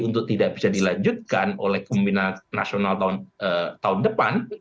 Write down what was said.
untuk tidak bisa dilanjutkan oleh kemimpinan nasional tahun depan